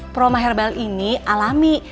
proma herbal ini alami